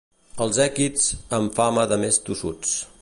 Els èquids amb fama de més tossuts.